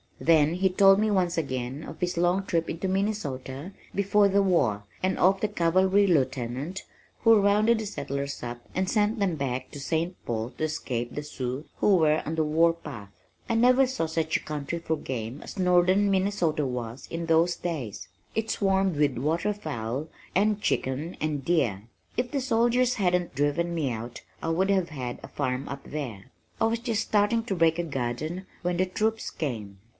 Then he told me once again of his long trip into Minnesota before the war, and of the cavalry lieutenant who rounded the settlers up and sent them back to St. Paul to escape the Sioux who were on the warpath. "I never saw such a country for game as Northern Minnesota was in those days. It swarmed with water fowl and chicken and deer. If the soldiers hadn't driven me out I would have had a farm up there. I was just starting to break a garden when the troops came."